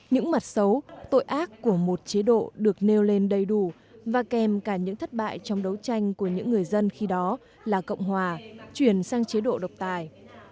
những mặt xấu tội ác của một chế độ được nêu lên đầy đủ và kèm cả những thất bại trong đấu tranh của những người dân khi đó là cộng hòa chuyển sang chế độ độc tài